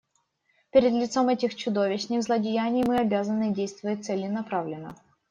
Перед лицом этих чудовищных злодеяний мы обязаны действовать целенаправленно.